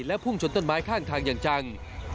พุ่งชนต้นไม้ข้างทางอย่างจัง